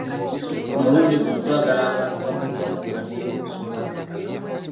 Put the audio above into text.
Ku mulundi guno twagala abantu bafune okumanyisa ku nsonga z'ettaka.